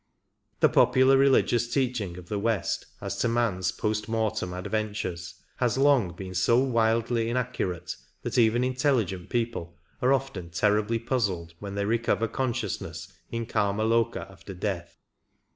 The popular religious teaching of the West as to man's post mortem adventures has long been so wildly inaccurate that even intelligent people are often terribly puzzled when they recover consciousness in Kima loka after death.